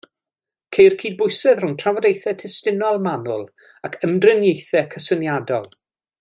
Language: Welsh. Ceir cydbwysedd rhwng trafodaethau testunol manwl ac ymdriniaethau cysyniadol.